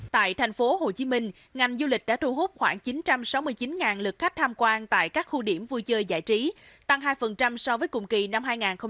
tại thành phố hồ chí minh ngành du lịch đã thu hút khoảng chín trăm sáu mươi chín lượt khách tham quan tại các khu điểm vui chơi giải trí tăng hai so với cùng kỳ năm hai nghìn hai mươi ba